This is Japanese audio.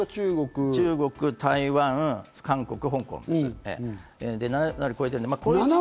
中国、台湾、韓国、香港です。